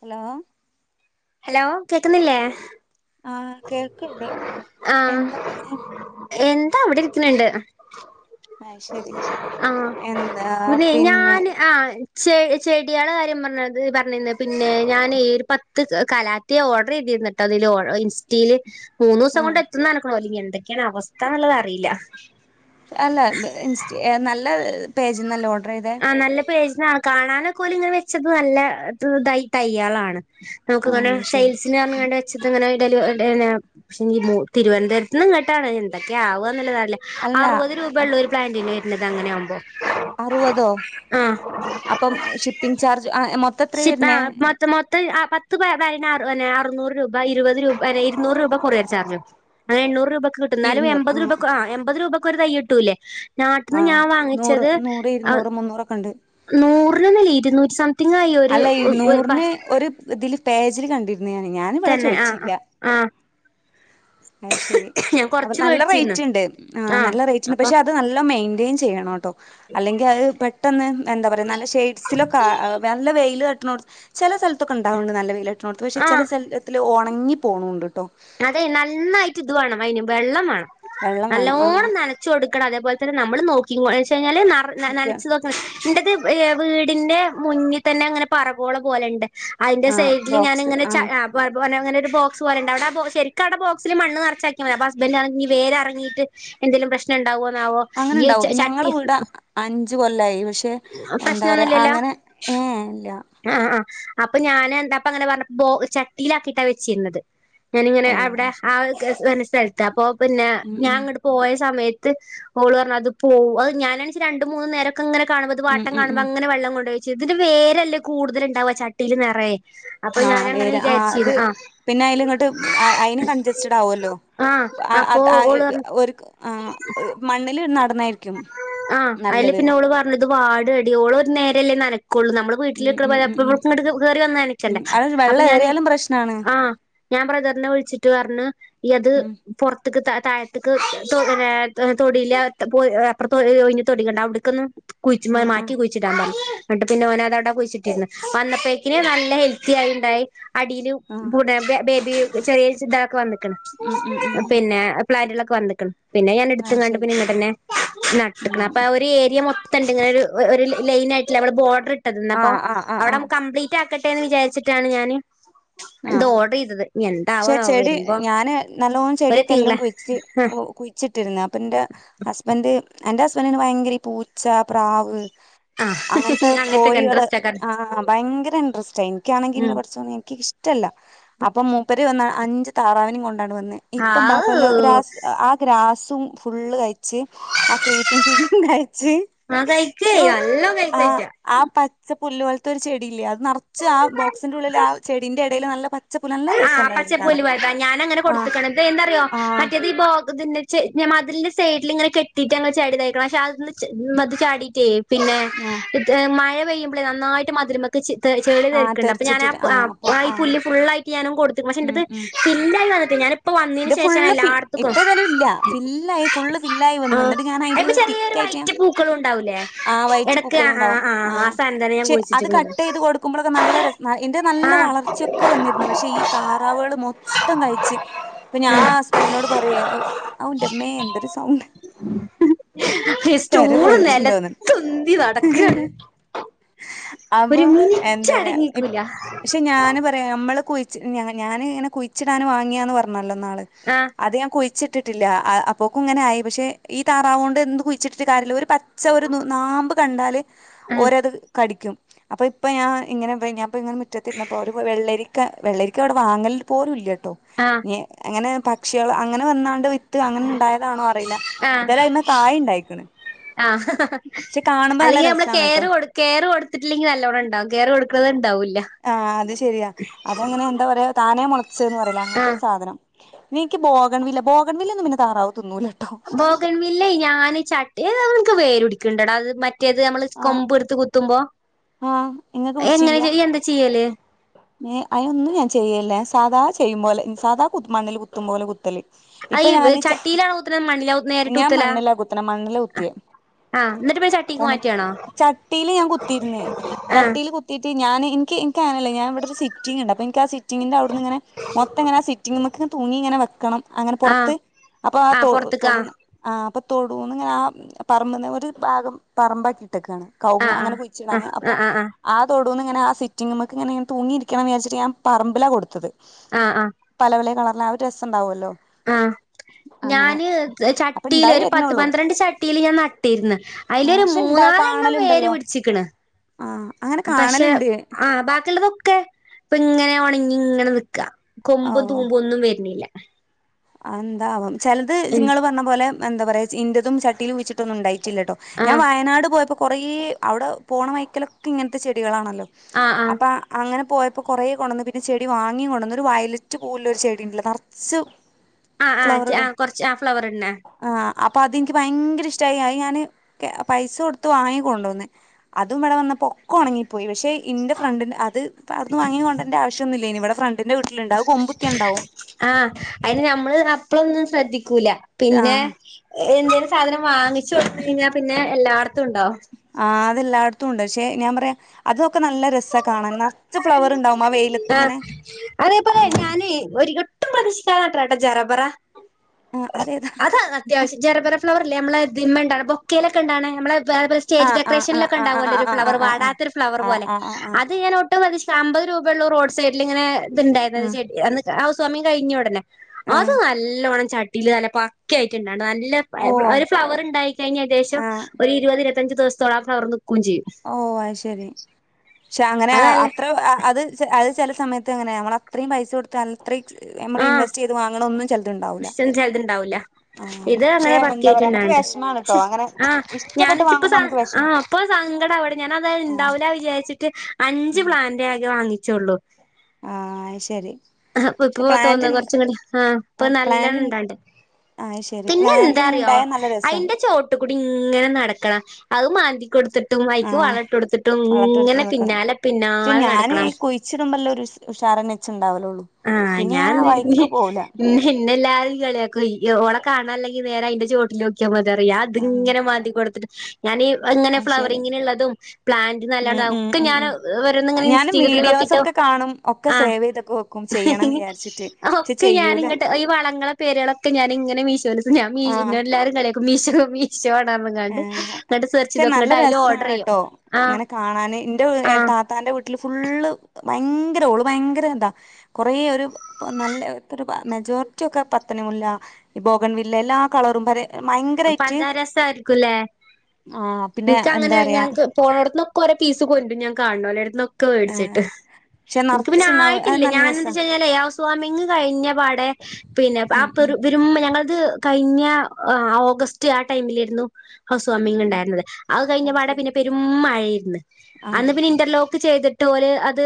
Hello hello കേക്കുന്നില്ലേ ആഹ് കേൾക്ക്ണ്ട് ആഹ് എന്താ പണി എന്താ അവിടെ ഇരിക്ക്ണ് ണ്ട് അയ് ശരി ആഹ് പിന്നെ ഞാന് ആഹ് ചെ ചെടിയേളെ കാര്യം പറഞ്ഞത് പറഞ്ഞിന്ന് പിന്നെ ഞാനേ ഈ ഒരു പത്ത് കലാ റ്റിൻ ഓർഡർ ചെയ്തിര്ന്ന്ട്ടാ ഇതിൽ ഇൻ സ്റ്റില് മൂന്നുസം ആഹ് കൊണ്ട് എത്തുന്ന് നർഞ്ഞ്ക്ക്ണ് എന്തൊക്കെയാണ് അവസ്ഥന്നുള്ളത് അറിയില്ല അല്ല ഇൻസ്റ്റ നല്ല പേജ്ന്നല്ലോ ഓർഡർ ചെയ്തെ നല്ല പേജിനാണ് കാണാനൊക്കൊല് ഇങ്ങെ വെച്ചപ്പൊ നല്ല ത് തയ്യാളാണ് നമുക്ക് പിന്നെ ആഹ് ശരി സെയിൽസിന് ഉം. പറഞ്ഞണ്ട് പക്ഷെ ഡെലിവറി പിന്നെ തിരുവനന്തപുരത്ത് നിന്ന് ഇങ്ങട്ടാണ് എന്തൊക്കെയ ആവന്ന്ള്ളത് അറില്ല അല്ല അറുപത് രൂപയൊള്ളു ഒരു പ്ലാന്റിന് വരുന്നത് അങ്ങനെയ ആവുമ്പോ അറുവതോ ആഹ് അപ്പം ഷിപ്പിംഗ് ചാർജ് ആഹ് മൊത്തം എത്ര ശിപ്പ വരുന്നേ അഹ് മൊ ത്തം പത്ത് പതിനാ അറുന്നൂറ് രൂപ ഇരുപത് രൂപ ഇരുന്നൂറ് രൂപ കൊറിയെ ച്ചാർജു അങ്ങനെ എണ്ണൂറ് രൂപയ്ക്ക് കിട്ടും എന്നാലും എമ്പത് രൂപ ആഹ് എമ്പത് രൂപയ്ക്ക് ഒരു തൈ കിട്ടൂല്ലേ നാട്ടിൽന്ന് ആഹ് ഞാൻ നൂറ് വാങ്ങിച്ചത് നൂറ് അഹ് ഇരുന്നൂറ് മുന്നൂറൊക്കെ ഉണ്ട് നൂറിന്ന്നില്ല ഇരുന്നൂറ്റി സംതിങ് ആയി അല്ല ഈ ഒരു നൂറിന് ഒരു ഇതില് പേജിൽ കണ്ടിരുന്നു ഞാൻ തന്നെ ആഹ് ആഹ് അഹ് ശരി ആഹ് ഞാൻ അപ്പ കൊറച്ച് നല്ല വേടിച്ചിരുന്നു റേറ്റ് ഉണ്ട് ആഹ് നല്ല റേറ്റ് ഉണ്ട് പക്ഷെ അത് നല്ല മെയിന്റ്റയിൻ ചെയ്യണം കേട്ടോ അല്ലെങ്കിൽ അത് പെട്ടെന്ന് എന്താ പറയാ നല്ല ഷെയ്ഡ്സിലൊക്കെ നല്ല വെയില് തട്ട്ണൊ ചെല സ്ഥലത്തൊക്കെ ഉണ്ടാവണ്ട് നല്ല വെയിലട്ടണോർത്ത് പക്ഷെ ചെല ആഹ് സ്ഥലത്തിൽ ഒണങ്ങി പോണുണ്ട്ട്ടോ അതെ നന്നായിട്ട് ഇത് വേണം അതിന് വെള്ളം വേണം വെള്ളം വേണം ആ നല്ലോണം നന ച്ചൊടുക്കണം അതെപോലെ തന്നെ നമ്മള് നോക്കി എന്ന് വെച്ച് കഴിഞ്ഞാൽ ഒക്കെ നനച്ചു ഇന്റെത് വീടിന്റെ മുന്നിൽ തന്നെ അങ്ങനെ പറഗോള പോലെ ഉണ്ട് അതിന്റെ ആ സൈഡില് ബോക്സ് ഞാനങ്ങനെ ആ ച [unintelligible] ഒരു ബോക്സ് പോലണ്ട് അവിടാ ബോ ശരിക്കട ബോക്സില് മണ്ണ് നിറച്ചാക്കിയ മതി അപ്പ ഹസ്ബൻറ് പറഞ്ഞി വേര് എറങ്ങിട്ട് എന്തെലും പ്രശ്നം ഒണ്ടാവോന്നാവോ അങ്ങനുണ്ടാവും ഞങ്ങളെ വീട് അഞ്ചു കൊല്ലായി പക്ഷെ എന്താ പറയാ പ്രശ്നൊന്നുല്ലല്ലോ അങ്ങനെ ഏ ഇല്ല ആഹ് ആഹ് അപ്പൊ ഞാൻ എന്താപ്പ അങ്ങനെ പറഞ്ഞപ്പൊ ചട്ടിയിലാക്കിട്ടാ വെച്ചിരുന്നത് ഞാനിങ്ങനെ ഓ അവിടെ അത് ആ ശരി ഒരു [unintelligible] സ്ഥലത്തപ്പോ പിന്നെ ഉം ഉം ഞാങ്ങട് പോയ സമയത്ത് ഓള് പറഞ്ഞ് അത് പോ ഞാനെച്ചാല് രണ്ട് മൂന്ന് നേരം ങ്ങനെ കാണ്പൊ അത് ഉം വാട്ടം ഉം കാണുമ്പോ ഉം അങ്ങനെ വെള്ളം കൊണ്ടൊയിച്ചു ഇതിന്റെ വേരല്ലാ കൂടുതലുണ്ടാവ ചട്ടീല് നെറയെ ആഹ് വേര് ആഹ് അത് പിന്നെ അയില്ങ്ങട്ട് അയിന് കൺചസ്റ്റഡ് ആവൊല്ലോ ആഹ് അപ്പൊ അത ആ ഇ ഓള് ത പറഞ്ഞു ഒരു ആഹ് ഒരു മണ്ണില് നടുന്നായിരിക്കും ആഹ് അയില് പിന്നെ ഓള് പറഞ്ഞ് വാടോടി ഓള് ഒരു നേരല്ലേ നനക്കൊള്ളൂ നമ്മള് ഉം വീട്ടിലിക്കണ ഉം പോലെ ഉം ഉം പ്പഴുപ്പഴും ഇങ്ങട്ടേക്ക് കേറി ഉം വന്നനക്കണ്ടേ അത് അപ്പൊ വെള്ളം ഞാന് ഏറിയാലും പ്രശ്നാണ് ആഹ് ഞാൻ ബ്രദറിനെ വിളിച്ചിട്ട് പറഞ്ഞ് ഈയത് ഉം പൊറ ത്ത്ക്ക്‌ താഴത്തെക്ക് [unintelligible] തൊടിയിലെ അപ്പറത്ത് ഒയി ഒയിഞ്ഞ തൊടിക്കണ്ട അവിടെക്കൊന്ന് കുയിച്ച് ആഹ് മാറ്റി ആഹ് കുയി ച്ചിടാൻ പറഞ്ഞു ന്നട്ട് പിന്നെ ഓന അത് അടെ കുയിച്ചിട്ടിന്ന് വന്നപ്പയിക്കിന് നല്ല ഹെൽ ത്തിയായിണ്ടായി അടിയിലും ആഹ് പൂടയൊക്കെ ബേബി ചെറിയ ഇതാക്കെ വന്നി ക്കണ് ഉം ഉം ഉം പിന്നെ പ്ലാൻിലൊക്കെ വന്നിക്കണ് പിന്നെ ഞാൻ എടുത്തു അത് കാണ്ട് ശരി പിന്നെ ഇങ്ങനെ തന്നെ ഉം നട്ട്ക്ക്ണ്‌ അപ്പ ആ ഒരു ഏരിയ മൊത്തംണ്ട് ഇങ്ങനൊരു ഒരു ലൈനായിട്ടില്ലെ മ്മള് ബോഡറ് ട്ട്ന്നപ്പൊ ആഹ് ആഹ് ആഹ് അവിടം ആഹ് കംപ്ലീറ്റാക്കട്ടേന്ന് വിചാരിച്ചിട്ടാണ് ഞാന് ഇത് ആഹ് ഓർഡർ ചെയ്തത് ഇനി പക്ഷെ എന്താവാനാവോ ചെടി വരുമ്പോ ഞാന് നല്ലോണം ഒരു ചെടിയൊക്കെ തിങ്കള എല്ലോം കുയിച്ച് കുയി ച്ചിട്ടിരുന്ന് അപ്പൊ ഇന്റെ ഹസ്ബൻഡ് എന്റെ ഹസ്ബൻഡിന് ഭയങ്കര ഈ പൂച്ച, പ്രാവ്, അങ്ങനത്തെ ആഹ് അങ്ങനത്തെക്കെ കോഴികള് ഇൻട്രസ്റ്റ് ഒക്കെ ആ ഭയങ്കര ഇൻട്രസ്റ്റാ ഇനിക്കാണെങ്കി ഇന്റെ ഉം പടച്ചോനെ ഇനിക്ക് ഇഷ് ട്ടല്ല അപ്പൊ മൂപ്പര് വന്ന് അഞ്ച് താറാവിനിം കൊണ്ടാണ്ട് വന്ന് ഇപ്പം ആവൂ ബഫലോഗ്രാസ് ആഹ് ഗ്രാസും ഫുള്ള് കയിച്ച് ആ ക്രീറ്റൻ ഫീമും കയിച്ച് ആഹ് കഴിക്കേ നല്ലോം കയിക്കു അയിറ്റാ ആ പച്ച പുല്ലോല്ത്തൊരു ചെടിയില്ലേ അത് നറച്ച് ആ ബോക്സിന്റെ ഉള്ളില് ആ ചെടീന്റെ എടയില് നല്ല പ ആ പച്ച പുല്ലുപോലത്തെ ഞാനങ്ങനെ ആ കൊടുത്ത്ക്ക്ണ്‌ ഇതെന്താറിയോ ആ മറ്റേത് ഈ ബോഗ്തിന് ച്ചെ മതിലിന്റെ സൈഡിലിങ്ങനെ കെട്ടീട്ടങ്ങട്ട് ചാടിതേക്കണം പക്ഷെ അത് ചെ മത് ചാടീട്ടേ പിന്നെ ആ ഇത് മഴ പെയ്യുമ്പളേ നന്നായിട്ട് മതില്മേ ക്ക് ത് ചെളി ആ തെറിക്ക്‌ണ്ട് അപ്പൊ ഞാനാ തെറിച്ചിട്ടിട്ട് അപ്പൊ ആ ഈ പുല്ല് ഫുള്ളായിട്ട് ഞാനങ്ങ് കൊടുത്ത് പക്ഷെയിന്റത് ഫില്ലായി വന്നിട്ട്ല്ല ഞാന് ഇന്റെ ഫുള്ള് ഫി ഇപ്പേതായാലും ഇല്ല ഫില്ലായി ഫുള്ള് ഫില്ലായി വന്ന് ആഹ് ഇന്നിട്ട് ഞാനയിന്റെ അയിമ്മെ ഉള്ളില് ചെറിയൊരു തിക്കായിട്ട് ഞാൻ വൈറ്റ് പൂക്കളും ഉണ്ടാവൂലേ ആ വൈറ്റ് എടക്ക് ആ പൂക്കളുണ്ടാവും ആ സാനം തന്നെ ഞാൻ പക്ഷെ അത് കുഴിച്ചിട്ട്ക്ക്ണത് കട്ടെയ്ത് കൊടുക്കുമ്പളൊക്കെ നല്ല ര ഇന്റെ നല്ല ആഹ് വളർച്ചൊക്കെ വന്നിരുന്നു പക്ഷെ ഈ താറാവള് മൊത്തം കയിച്ച് ഇപ്പ ഞാ ആ ഹസ്ബന്റിനോട് പറയെ ഓ ഔ ന്റെമ്മേ എന്തൊരു സൗണ്ട് പെര സ്റ്റൂള് നെലത്തുന്തി നടക്കാണ് പൊളിച്ചിണ്ടോന്ന് അപ്പൊ ഒരു മിനിറ്റടങ്ങിക്കൂല ഇപ്പ ഞമ്മള് കുയിച്ച് ഞാ ഞാന് ഇങ്ങനെ കുയിച്ചിടാന് വാങ്ങിയാന്ന് പറഞ്ഞല്ലോ ന്നാള് ആഹ് അത് ഞാ കുഴിച്ചിട്ടിട്ടില്ല അ അപ്പോക്കും ഇങ്ങനായി പക്ഷെ ഈ താറാവോണ്ട് എന്തു കുയിച്ചിട്ടിട്ടും കാര്യല്ല ഒരു പ ച്ച ഒരു നൂ നാമ്പ് കണ്ടാല് ആഹ് ഓരത് കടിക്കും അപ്പൊ ഇപ്പ ഞാ ഇങ്ങനെ തഴിഞ്ഞ് ഇങ്ങനെ മുറ്റത്തിരുന്നപ്പോ ഒരു വെള്ളരി ക്ക വെള്ളരിക്കവെടെ വാങ്ങല് പോലുല്ല ട്ടോ ആഹ് അങ്ങനെ പക്ഷികള് അങ്ങനെ വന്നാണ്ട് വി ത്ത് അങ്ങനെണ്ടായതാണോ അറീല്ല ഏതായാലും അയിമേ കായ്‌ണ്ടായിക്ക്ണ് ആ അല്ലെങ്കി നമ്മള് രസാണ് ട്ടോ കെയറ് കൊടു കെയറ് കൊടുത്തിട്ടില്ലെങ്കി നല്ലോണംണ്ടാവും കെയറ് കൊടുക്ക്ണത് ഇണ്ടാവുല്ല ആഹ് അത് ശരിയാ അതങ്ങനെ എന്താ പറയാ താനെ മുളച്ചേന്ന് പറീല്ലേ ആഹ് അങ്ങനത്തൊരു സാധനം നിക്ക്യ് ബോഗൺ വില്ല ബോഗൺ വില്ലൊന്നും പിന്നെ താറാവ് തിന്നൂല ട്ടോ ബോഗൺ വില്ലേ ഞാന് ചട്ടി എടാ നിൻക്ക് വേരുടിക്ക്ണ്ടടാ അത് മ റ്റേത് അമ്മള് ആഹ് കൊമ്പട്ത്ത് കുത്തുമ്പോ ആഹ് ഇങ്ങക്ക് എങ്ങനെ പിടിച്ചില്ല ഇയ്യെന്താ ചെയ്യല്? ഏഹ് അയ്നൊന്നു ഞാ ചെയ്യേല്ല സാധാ ചെയ്യുമ്പോലെ സാധാ കുത്ത് മണ്ണില് കുത്തും പോലെ കുത്തല് അത് ഇപ്പൊ ഈ ഞാൻച്ച ചട്ടിയിലാണോ കുത്ത്ണെ മണ്ണിലാ നേരിട്ട് ഞാ കുത്തലാ മണ്ണിലാ കുത്ത്ണെ മണ്ണിലാ കുത്തിയെ ആഹ് എന്നിട്ട് പിന്നെ ചട്ടിക്ക് തണ് മാറ്റാണോ ചട്ടില് ഞാ കുത്തിയ്ര്ന്ന് ആഹ് ചട്ടീല് കു ത്തീട്ട് ഞാന് ഇൻക്ക് ഇൻക്കങ്ങനല്ല ഞാ ഇവടൊരു സിറ്റിങ്ണ്ട് അപ്പ ഇൻകാ സിറ്റി ങ്ങിന്റ അവിടുന്ന്ങ്ങനെ മൊത്തങ്ങനെ ആ സിറ്റിങ്മ്മക്ക് തൂങ്ങിങ്ങനെ വെക്കണം അങ്ങനെ ആഹ് പൊർത്ത് അപ്പ ആ ആഹ് തൊട് പൊറത്ത്ക്ക് ആഹ് തൊടൂന്ന് ആ അപ്പതൊടൂന്ന്ങ്ങനെ ആ പറമ്പ്ന്ന് ഒരു ഭാഗം പറമ്പാക്കിട്ടെക്കാണ് കൗങ് അങ്ങനെ ആഹ് ആഹ് കുഴിച്ചിടാന് അപ്പൊ ആഹ് ആഹ് ആഹ് ആ തൊടൂന്ന്ങ്ങനെ ആ സിറ്റിംങ്ങ്മ്മക്ക്ങ്ങനെ ഇങ്ങനെ തൂങ്ങിരിക്കണംന്ന് വിചാരിച്ചിട്ട് ഞാ പറമ്പില കൊടുത്തത് ആഹ് ആഹ്. പല പലേ കളർലെ ആ ഒര് രസണ്ടാവല്ലോ. ആഹ് ഞാന് അപ്പൊ ചട്ടീല് ഇണ്ടായി ഒരു പത്ത് വരണള്ളൂ പന്ത്രണ്ട് ചട്ടീല് ഞാൻ നട്ടിര്ന്ന് അയില് ആ ഒരു പക്ഷെ ഇണ്ടാ മൂന്നാല് എണ്ണം വേര് കാണലുണ്ടല്ലോ പിടിച്ചിക്ക്ണ്. ആഹ് അങ്ങനെ പക്ഷെ കാണല്ണ്ട് ആ ഭാക്കി ഇള്ളത് ഒ ക്കെ ഇപ്പ ഇങ്ങനെ ഒണങ്ങി ഇങ്ങനെ നിക്കാ കൊമ്പും തൂമ്പും ഒന്നും വെർണീല്ല. അഹ് എന്താവോം ചെൽത് ജ് ഉം ഇങ്ങള് പറഞ്ഞ പോലെ എന്ത പറയാ ഇന്റതും ചട്ടീല് കുയ്ച്ചി തൊന്നും ഇണ്ടായിറ്റില്ലട്ടോ ഞാൻ ആഹ് വയനാട് പോയപ്പോ കൊറേ അവിടെ പോണ വൈക്കലൊക്കെ ഇങ്ങൻത്തെ ചെടികളാണല്ലോ. ആഹ് ആഹ് അപ്പാ അങ്ങനെ പോയപ്പോ കൊറേ കൊണ്ടന്ന് പിന്നെ ചെടി വാങ്ങീയിം കൊണ്ടന്ന് ഒരു വയലറ്റ് പൂവ് ഇല്ലൊരു ചെടി ഇണ്ടല്ലോ നർച്ച് ആഹ് ആഹ് ചേ ആഹ് കൊർച്ച് ആഹ് ഫ്ലവർൻണെ ആഹ് അപ്പ അത് ഇൻക്ക് ഭയങ്കര ഇഷ്ടായി അയ് ഞാന് പൈസ കൊട്ത്ത് വാങ്ങി കൊണ്ടോന്ന് അതും ഇബട വന്നപ്പ് പൊക്ക ഒണങ്ങിപ്പോയി പക്ഷെ ഇന്റെ ഫ്രണ്ടിന്റെ അത് അവ്ട്ന്ന് വാങ്ങി കൊണ്ടേര്ണ്ട ആവിശ്യോന്നും ഇല്ലേനി ഇവടെ ഫ്രണ്ട് ന്റെ വീട്ടിലുണ്ട് അഹ് കൊമ്പുത്യ ഇണ്ടാവും. ആഹ് അത് ഞമ്മള് അപ്പളൊന്നും ശ്രദ്ധിക്കൂല പിന്നെ ആഹ് എന്തേലും സാധനം വാങ്ങിച്ച് കൊടുത്തേയ്ഞ്ഞ പിന്നെ എല്ലോട്ത്തും ഇണ്ടാവും. ആഹ് അതെ എല്ലായിടുത്തും ഇണ്ട് പക്ഷെ ഞാൻ പറയാ അതൊക്കെ നല്ല രസ കാണാൻ ന്ന ആഹ് അതേ പോലെ അങ്ങനെ ഞാന് ഒരി ട്ടും പ്രതീക്ഷിക്കാതെ നട്ട്രട്ട ജറബറ ആഹ് അതേതാ അതാന്ന് അത്യാവശ്യ ജറബറ ഫ്ലവറില്ലേ അമ്മളെ ദിമ്മണ്ടാണ ബൊക്കേല് ഒക്കെ ഇണ്ടാണ അമ്മളെ ബാബർസ് സ്റ്റേജ് ആഹ് ആഹ് ഡെക്കറേഷനിൽ ആഹ് ഒക്കെ ആഹ് ഇണ്ടാവല്ലൊ ഒരു ആഹ് ഫ്ലവർ ആഹ് ആഹ് വാടാത്തോരു ഫ്ലവർ ആഹ് പോലെ ആഹ് ആഹ് ആഹ് ആഹ് അത് ഞാൻ ഓട്ച്ച് ത്തവത് സമ്പത് രൂപ ഒള്ളു റോഡ് സൈഡില് ഇങ്ങനെ ഇത് ഇണ്ടായിരുന്നത് ആഹ് ചെടി അന്ന് ആ ഹൌസ് വാമിങ് കഴിഞ്ഞ ഒടനെ ആഹ് ആഹ് അത് നല്ലോണം ചട്ടീല് നല്ല പ ക്ക ആയിട്ടുണ്ടാഹ്ണ്ട് നല്ല ഫയ് ഫ്ല ഓഹ് ഒരു ഫ്ലവറ്ണ്ടായി കഴിഞ്ഞ ഏദേശം ആഹ് ഒരു ഇരുപത് ഇര് പത്തഞ്ച് ദിവസത്തോളം ആ ഫ്‌ളവറ് നിക്കും ചെയ്യും. ഓ അഹ് ശരി പക്ഷെ അങ്ങനെ അത് അ നല്ല അത്ര അഹ് അ അത് അഹ് ചെല സമയത്ത് എങ്ങനെ ഞങ്ങള് അത്രീം പൈസ കൊടുത്ത് അത്രീം നമ്മള് ആഹ് ഇൻവസ്റ്റയ്ത് വാങ്ങ്ണോന്നും ചെൽ ഇഷ്ടം ചെൽത് ഇണ്ടാവൂല. ഇത് പക്ഷെ അങ്ങനെ എന്താ ബക്കായ്റ്റ് പറയാ നമുക്ക് ഇണ്ടായിണ്ട് വിഷമാണ് ക്ഷെ ട്ടോ അങ്ങനെ ആഹ് ഇഷ്ടപ്പെട്ട് ഞാന്ച്ച് പ്പ സ വാങ്ങുമ്പോ നമുക്ക് വിഷമം ആഹ് ഇപ്പൊ സങ്കടാവാണ് ഞാനാത് ആഹ് ഇണ്ടാവൂല വിചാരിച്ചിട്ട് അഞ്ച് ഉം പ്ലാന്റെ ആകെ വാങ്ങിച്ചോള്ളൂ. ആഹ് അത് ശരി [inaudible] പക്ഷെ ആപ്പപ്പോ പ്ലാന്റ് തോന്നാ കൊറച്ച്ങ്ങട്ട് ആഹ്. പ്പൊ നല്ലോണം ഇണ്ടാണ്ട് ആഹ് അത് ശരി പ്ലാന്റ് പിന്നെന്താ ഇങ്ങനെ ന്അറിയോ ഇണ്ടായാ നല്ല രസാ അയിന്റെ ചോട്ടു കൂടി ഇങ്ങനെ നടക്കണം അഹ് മാന്തി കൊടുത്ത് ട്ടും അയ്ക്ക് ആഹ് വള ഇട്ടോടിത്ത്ട്ടും ഇങ്ങനെ വളട്ടൊടുത്തിട്ട് പിന്നാലെ പിന്നാലെ നടക്കണം. ഇച്ച്ടുമ്പ അല്ലൊരു ഉഷാരന്നെ ച്ച് ഇണ്ടാവല് ഒള്ളു. ആഹ് ഞാൻ എന്ത്‌ ഇര്ന്ന് ഇന്ന് ഹിന്നെല്ലാരും കളിയാക്കും ഈ ഓളെ കാണാല്ലെങ്കിൽ ന്നേരെ അയ്ന്റെ ചോട്ടിലോക് ക്കിയ മതി അറി ഞാൻ ആഹ് ഇതിങ്ങനെ മാന്തി കൊട്ത്തിട്ട് ഞാനി ഇങ്ങനെ അത് ശരി ഫ്ലവറിങ്ങിന് ഇള്ളതും പ്ലാന്റ് ഉം നല്ലതും ഉം ഒക്കെ ഉം ഞാന് ഉം ഓരോന്ന് ഇങ്ങനെ ഞാനും ഇൻസ്‌റ്റീലും ഇതിലും നോക്കിട്ട് വീഡിയോസൊക്കെ കാണും ഒക്കെ സേവെയ്ത് ഒക്കെ വെക്കും ചെയ്യണം വിചാരിച്ച്. ഹൊക്കെ ഞാന് ഇങ്ങട്ട് ഈ വളങ്ങളും പേരുകളൊക്കെ ഞാന് ഇങ്ങനെ മീശോല് ആഹ് ഇന്നെ എല്ലാരും കളിയാക്ക്‌ മീഷോമി. ഷോടെ തോറനിങ്ങാണ്ട് ഏഹ് ഇങ്ങട്ട് സെർച്ച് പക്ഷെ ചെയ്ത് നോക്കൂ നല്ല ഇങ്ങട്ട് അയ്ല് രസാണ് ഓർഡറെയ്യും ട്ടോ ആഹ് ഇങ്ങനെ കാണാന് ഇന്റെ എ ആഹ് താത്താന്റെ വീട്ടില് ഫുള്ള് ഭയങ്കര ഓള് ഭയങ്കര ഇതാ. കൊറേ ഒരു നല്ലൊരു മെജോറിറ്റിയൊക്കെ പത്തണിമുല്ല. ഈ ബോഗെൺവില്ലെ എല്ലാ കളറും പരെ പഞ്ചാരസം ആയിരിക്കുംലെ ആഹ് പിന്നെ ഇൻക്ക് എന്താ അങ്ങനെ പറയാ ഞങ്ങക്ക് പോണോട്ത് ഒക്കെ ഒരേ പീസ് കൊണ്ടരും ഞാൻ കാണ്ന്നൊലോട്ത്ന്നൊക്കെ വേട്ച്ചിട്ട്. ഏഹ് പക്ഷെ ഇൻക്ക് പിന്നെ നറച്ച്ണ്ടാവും അത് ആയിട്ടില്ല നല്ല രസാ ഞാനെന്താച്ചാ കഴിഞ്ഞാലെയ് ഹൗ സ്വാമിങ്ങ് കഴിഞ്ഞ പാടേ പിന്നെ ആ ഉം ഉം പെറു പെരും ഞങ്ങളത് കഴിഞ്ഞ ആഹ് ഓഗസ്റ്റ് ആ ടൈമിലായിരുന്നു. ഹൗസ് ഉം വമ്മിങ് ഉം ഉം ഇണ്ടായിരുന്നത് അഹ് കഴിഞ്ഞ അത് പാടെ ശരി പിന്നെ പെരും മഴേര്ന്ന് അന്ന് ആഹ് പിന്നെ ഇന്റെർലോ ത് ചെയ്തിട്ട് അത്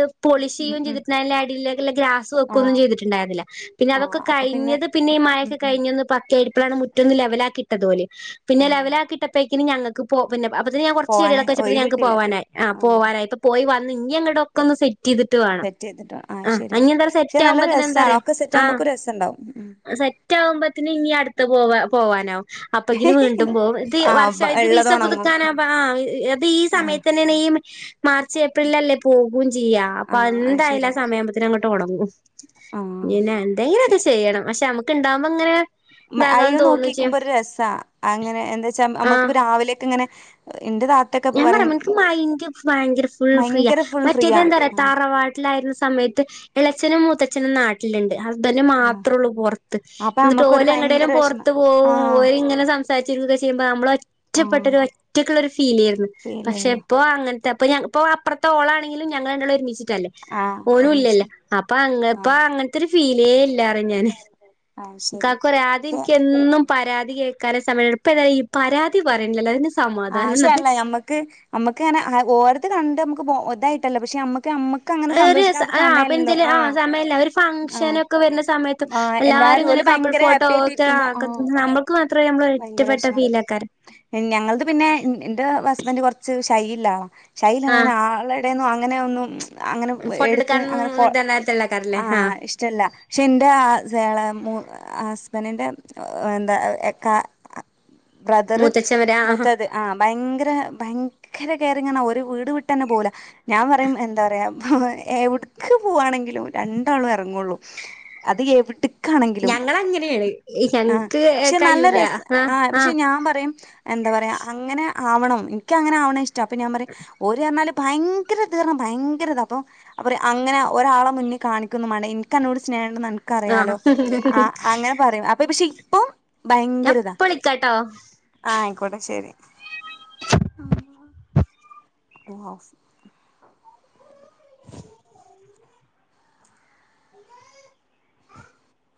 ഉം പോളിശെയ്യും ഉം ചെയ്ത്ട്ട്ല്ലായ്ന അടിയിലേക്ക്ള്ള ഗ്രാസ് വെക്കൊന്നും ആഹ് ചെയ്തിട്ടുണ്ടായിരുന്നി ല്ലാ പിന്നെ അതൊക്കെ ആഹ് അപ്പൊ കഴിഞ്ഞത് പിന്നെ ഈ ഉം മഴൊക്കെ ഉം കഴിഞ്ഞൊന്ന് പക്കെയ്ട്പ്പാളാണ് മുറ്റൊന്ന് ലെവലാക്കിട്ടത് ഓല് പിന്നെ ആഹ് ലെവലാക്കി ഇട്ടപ്പോക്കിന് ഞങ്ങ ക്ക് പോ പിന്നെ അപ്പതിന് ഞാൻ കൊർച്ച് ചെടികളക്കെ പോവാനായി വെച്ചപ്പോത്തിന് ഒഴിവ് ഞങ്ങക്ക് കിട്ടില്ല പോവാനായി ആഹ് പോവാനായി പോയി വന്നു ഇഞ്ഞി അങ്ങടൊക്കൊന്ന് സെറ്റ് റ്റ് യ്യ്തിട്ട് വാണം സെറ്റ് ചെയ്തിട്ടോ ആ ശരിയാ ഇഞ്ഞി എന്താ പക്ഷെ സെറ്റ് നല്ല ആകുമ്പോതിന് രസാണ് എന്തറിയോ ഒക്കെ സെറ്റ് ആഹ് ആകുമ്പോക്കെ രസണ്ടാവും ഉം സെറ്റാവുത്തിന് ഇഞ്ഞി അട്ത്തെ പോവാ പോവാനാവു അപ്പങ്ങിന് വീണ്ടുമ്പോ ഇത് ആ വർഷ ഇത് ഇള്ളത് വിസ ഒണങ്ങും പുതുക്കാനാ ആഹ് അത് ഈ ആ സമയത്തന്നെണ് മാർച്ച് ഏപ്രിലല്ലേ പോകും ചിയ്യാ ആ അപ്പ അത് എന്തായാലും ശരിയാ ആ സമയം പിന്നെ അങ്ങട്ട് ഒണങ്ങും ആ പിന്നെ എന്തെങ്കിലൊക്കെ ചെയ്യെണം പശെ ഞമ്മക്ക് ഇണ്ടാവുമ്പോ ഇങ്ങനെ ഉം ഇതാകാൻ അയ്നെ തോന്നും ചെയ്യും നോക്കിക്കിമ്പോ ഒരു രെസ് താ അങ്ങനെ എന്താെച്ചാ ആഹ് ന്നമ്മക്ക്പ്പോ രാവിലെക്കെ ഇങ്ങനെ ഇന്റെതാ ഞാൻ പറയാം ഇൻക്ക് മൈന്റ് ഭയങ്കര ഫുൾ ഫ്രീ ഭയങ്കര ഫുൾ ഫ്രീയാ മറ്റേതെന്താ റയാ ആ തറവാട് ട്ട്ലായിരുന്ന സമയത്ത് ഇളെചെനും മൂത്തച്ഛനും നാട്ടില്ണ്ട് ഹസ്ബെന്റ് ആ മാത്രള്ളൂ പൊർത്ത് അപ്പൊ ഇന്നെട്ട് നമ്മക്കൊരു ഓര് ഭയങ്കര വിഷമം എങ്ങട്ടേലുംപൊർത്ത് ആ പോകും ഓരിങ്ങനെ സംസാരിച്ചിരിക്കുകൊക്കെ ചെയ്യുമ്പോ നമ്മള ആ റ്റപ്പെട്ടൊരു ഒരു ഒറ്റക്ക്ളൊരു ഫീ ഫീലേരുന്നു ഫീൽ പക്ഷെ ചെയ്യുന്നു ഇപ്പോ അങ്ങനത്തെ അപ്പോ ഇപ്പോ അപ്പുറത്തെ ഓളാണെങ്കിലും ഞങ്ങൾ രണ്ടാളും ഒരുമിച്ചിട്ടല്ലേ ആ ഒരുമിച്ച് ഓനുംല്ലല്ലോ അപ്പൊ ആ അങ്ങപ്പ അങ്ങനത്തെരു ഫീലേ ഇല്ലറി ഞാന്. അത് ശരി കാക്കുഅറി ആദ്യം പക്ഷെ ഇൻക്ക് എന്നും പരാതി കേൾക്കാനെ സമയൊള്ളു ഇപ്പഏതായാലും ഇയ്യ് പരാതി പറയ്ണ്ല്ലല്ലോ അതിന്സ് ആഹ് ശെ അല്ല ഞമ്മക്ക് അമ്മക്ക് ഇങ്ങനെ ഓര്ത് കണ്ട് അമ്മക്ക് ബോ ഇതായിട്ടല്ല പക്ഷെ അമ്മക്ക്മ്മ ഏ ര് സ ആ ബെൻചെല് സമയല്ല ഒര് ആഹ് ഫങ്ഷനൊക്കെ വെര്ന സമയത് ത് ആഹ് എല്ലാരും ഓല് ഇങ്ങനെ കപ്പിൾ ഭയങ്കര ഫോട്ടോ ഹാപ്പി ഒക്കെ ആ ആയിട്ടിരിക്കുമ്പോ ക്കാ ആഹ് ന്നമ്മൾ ക്ക് മാത്രം ഞമ്മള് ഒറ്റപ്പെട്ട ഫീൽ ആക്കാരം. ഞങ്ങള്ത് പിന്നെ ഇന്റെ ഹസ്ബെന്റ കൊർച്ച് ഷൈയ്യ്ല്ലആളാ ഷൈലാണ് ആഹ് ഇങ്ങനെ ആളെ ടെന്നും അങ്ങനെ ഒന്നും അങ്ങനെ ഫോട്ടോ എട്ത് അങ്ങനെ എടുക്കാനൊന്നും ഫോ ഇതല്ലാത്തള്ളക്കാരല്ലേ ആഹ് ഇഷ് ചെല്ല പക്ഷെ ഇന്റെ ആ എളേ മൂ ഹസ്ബെന്റിന്റെ ഓ എന്താ എ കാ ബ്രദെർ മൂത്തത് ആഹ് ഭയങ്കെരെ ഭയങ്കെരെ കെയറിംങ് പർഞഓര് വീട് വീട്ടെന്നെ പോവൂല. ഞാൻ പറയും എന്താ പറയാ എവ്ട്ക്ക് പോവാണെങ്കിലും രണ്ടാളും എറങ്ങൊള്ളു. അത് എവ്ക്കാണെങ്കിലും ഞങ്ങളങ്ങനെയാണ് ആഹ് ഞങ്ങക്ക് ക്ഷെ ന്നല്ലെ കഴിയൂല രെസ ആഹ് ആ പക്ഷെ ആഹ് ഞാൻ പറയും എന്താ പറയാ അങ്ങനെ ആവണം ഇൻക്ക് അങ്ങനെആവ്ണെഷ് ട്ട അപ്പോഞാൻ പറയും ഒരു പർഞ്ഞാല് ഭയങ്കെരെ ഇത് ഭയങ്കെരെ ഇതാ അപ്പൊ അപ്പറി അങ്ങനെ ഒരാളെ മുന്ന് കാണിക്കൊന്നുംമാണ്ട ഇൻക്ക് അന്നോട് സ്നേഹണ്ട്ന്ന് അൻ ക്കറിയാലോ ആഹ് അ അങ്ങനെ പറയും അപ്പൊ പക്ഷെ ഇപ്പൊ ഭയം ഞപ്പൊ വിളിക്കാട്ടോ ആഹ് ആയിക്കോട്ടെ ശരി [inaudible] [inaudible]